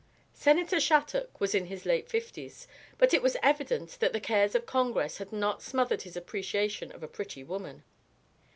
Senator Shattuc was in his late fifties, but it was evident that the cares of Congress had not smothered his appreciation of a pretty woman.